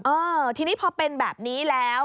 เออทีนี้พอเป็นแบบนี้แล้ว